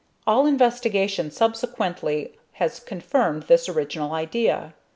All investigation subsequently has confirmed this original idea.